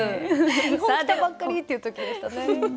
日本来たばっかりっていう時でしたね。